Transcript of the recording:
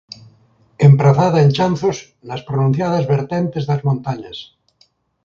Emprazada en chanzos nas pronunciadas vertentes das montañas.